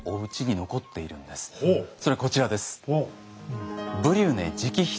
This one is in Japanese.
それこちらです。